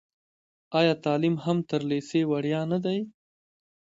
آیا تعلیم هم تر لیسې وړیا نه دی؟